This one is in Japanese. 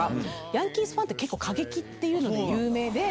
ヤンキースファンって、結構過激っていうので有名で。